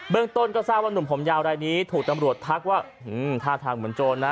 เรื่องต้นก็ทราบว่าหนุ่มผมยาวรายนี้ถูกตำรวจทักว่าท่าทางเหมือนโจรนะ